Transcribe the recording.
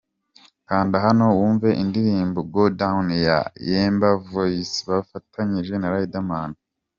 Kanda Hano wumve indirimbo ‘Go Down’ ya Yemba Voice bafatanyije na Riderman.